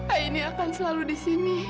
aini akan selalu disini